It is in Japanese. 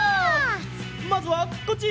まずはこっち！